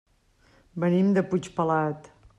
Venim de Puigpelat.